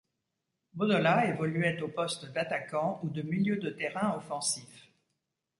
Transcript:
Bodola évoluait au poste d'attaquant ou de milieu de terrain offensif.